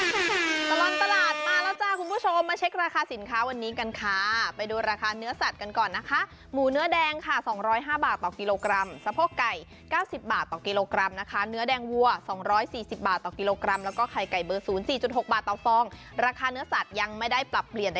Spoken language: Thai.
ตลอดตลาดมาแล้วจ้าคุณผู้ชมมาเช็คราคาสินค้าวันนี้กันค่ะไปดูราคาเนื้อสัตว์กันก่อนนะคะหมูเนื้อแดงค่ะ๒๐๕บาทต่อกิโลกรัมสะโพกไก่๙๐บาทต่อกิโลกรัมนะคะเนื้อแดงวัว๒๔๐บาทต่อกิโลกรัมแล้วก็ไข่ไก่เบอร์๐๔๖บาทต่อฟองราคาเนื้อสัตว์ยังไม่ได้ปรับเปลี่ยนได้